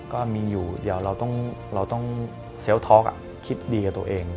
ก็มีอยู่เดี๋ยวเราต้องคิดดีกับตัวเอง